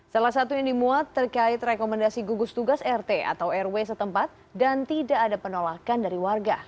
salah satu yang dimuat terkait rekomendasi gugus tugas rt atau rw setempat dan tidak ada penolakan dari warga